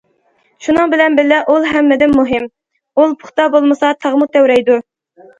شۇنىڭ بىلەن بىللە ئۇل ھەممىدىن مۇھىم، ئۇل پۇختا بولمىسا، تاغمۇ تەۋرەيدۇ.